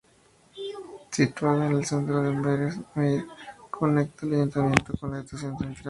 Situada en el centro de Amberes, Meir conecta el Ayuntamiento con la Estación Central.